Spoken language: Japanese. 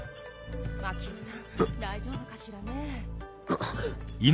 まきをさん大丈夫かしらねぇ。